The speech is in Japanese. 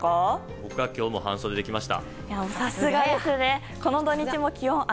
僕は今日も半袖で来ました。